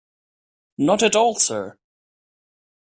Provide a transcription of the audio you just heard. Not at all, sir.